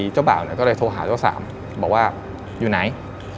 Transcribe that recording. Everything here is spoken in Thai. เจ้าบ่าวก็เลยโทรหาเจ้าสามบอกว่าอยู่ไหน